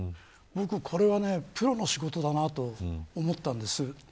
これは、プロの仕事だなと思ったんです。